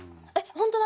本当だ。